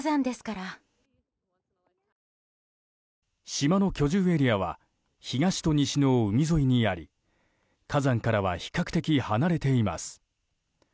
島の居住エリアは東と西の海沿いにあり火山からは比較的離れています。